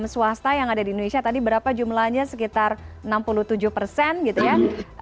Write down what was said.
swasta yang ada di indonesia tadi berapa jumlahnya sekitar enam puluh tujuh persen gitu ya